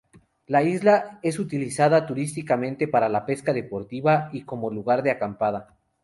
La isla es utilizada turísticamente para la pesca deportiva y como lugar de acampada.